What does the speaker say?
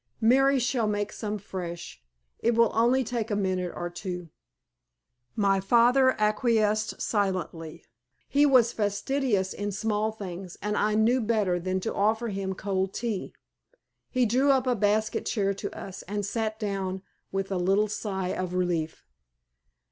"Mary shall make some fresh. It will only take a minute or two." My father acquiesced silently. He was fastidious in small things, and I knew better than to offer him cold tea. He drew up a basket chair to us and sat down with a little sigh of relief.